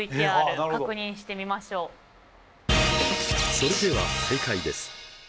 それでは正解です。